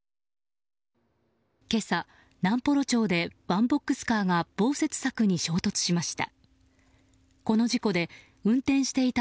今朝、南幌町でワンボックスカーが防雪柵に衝突しました。